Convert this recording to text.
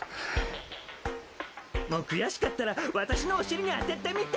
もう悔しかったら私のお尻に当ててみて！